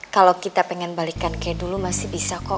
kalau kita pengen balikan kayak dulu masih bisa kok